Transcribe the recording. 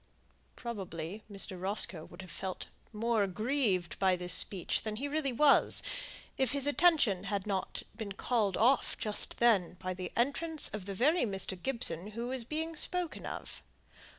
Probably Mr. Roscoe would have felt more aggrieved by this speech than he really was, if his attention had not been called off just then by the entrance of the very Mr. Gibson who was being spoken of.